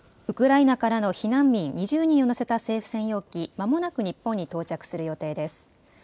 ウクライナからの避難民２０人を乗せた政府専用機まもなく日本に到着する予定です。